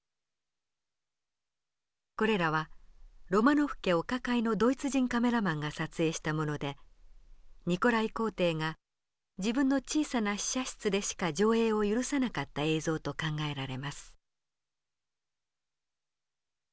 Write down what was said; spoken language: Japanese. これらはロマノフ家お抱えのドイツ人カメラマンが撮影したものでニコライ皇帝が自分の小さな試写室でしか上映を許さなかった映像と考えられます。